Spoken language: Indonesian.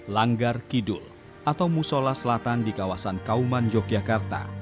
langgar kidul atau musola selatan di kawasan kauman yogyakarta